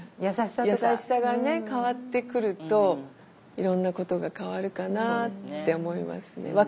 優しさがね変わってくるといろんなことが変わるかなって思いますね。